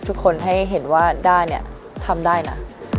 ทุกคนให้เห็นว่าด้าเนี่ยทำได้นะ